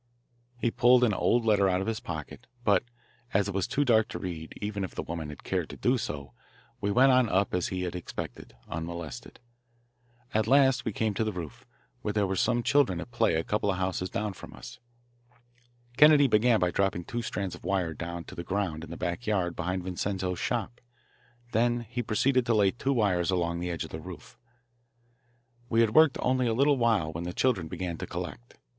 He pulled an old letter out of his pocket, but as it was too dark to read even if the woman had cared to do so, we went on up as he had expected, unmolested. At last we came to the roof, where there were some children at play a couple of houses down from us. Kennedy began by dropping two strands of wire down to the ground in the back yard behind Vincenzo's shop. Then he proceeded to lay two wires along the edge of the roof. We had worked only a little while when the children began to collect.